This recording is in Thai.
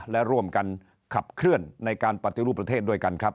และร่วมกันขับเคลื่อนในการปฏิรูปประเทศด้วยกันครับ